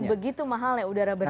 sebegitu mahalnya udara bersih sekarang